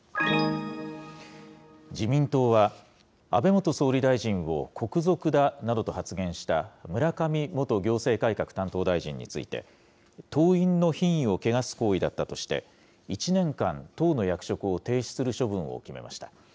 自民党は、安倍元総理大臣を国賊だなどと発言した村上元行政改革担当大臣について、党員の品位を汚す行為だったとして、１年間、党の役職を停止する処分を決めました。